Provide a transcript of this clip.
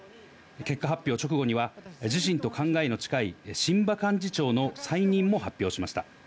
結果発表直後には、自身と考えの近い榛葉幹事長の再任も発表しました。